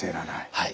はい。